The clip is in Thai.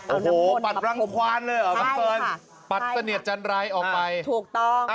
โอ้โหปัดรังควานเลยเหรอบังเฟิร์นปัดเสนียดจันไรออกไปถูกต้อง